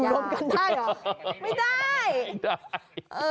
ไม่ได้